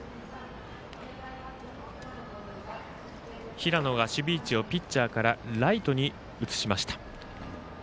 平野が守備位置をピッチャーからライトに移しました。